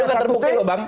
itu kan terbukti loh bang